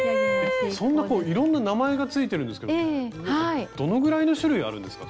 そんなこういろんな名前が付いてるんですけどどのぐらいの種類あるんですか？